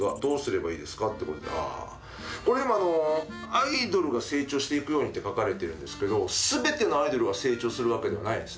アイドルが成長していくようにと書かれてるんですけど全てのアイドルが成長するわけではないです。